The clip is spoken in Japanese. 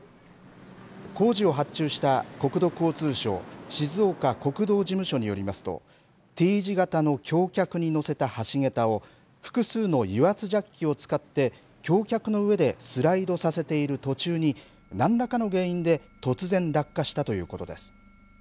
工事を発注した国土交通省静岡国道事務所によりますとＴ字型の橋脚に乗せた橋桁を複数の油圧ジャッキを使って橋脚の上でスライドさせている途中に何らかの原因で突然落下したということです。